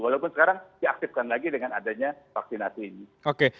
walaupun sekarang diaktifkan lagi dengan adanya vaksinasi ini